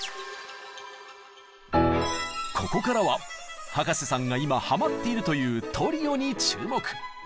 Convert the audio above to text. ここからは葉加瀬さんが今ハマっているというトリオに注目。